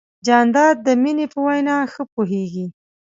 جانداد د مینې په وینا ښه پوهېږي.